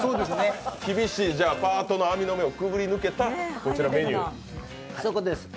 厳しいパートの網の目をくぐり抜けた、こちらのメニューだと。